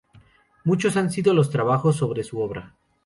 Muchos han sido los trabajos sobre su obra.